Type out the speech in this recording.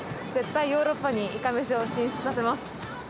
絶対ヨーロッパにいかめしを進出させます。